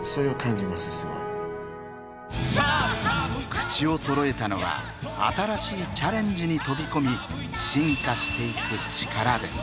口をそろえたのは新しいチャレンジに飛び込み進化していく力です。